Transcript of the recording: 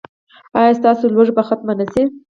ایا ستاسو لوږه به ختمه نه شي؟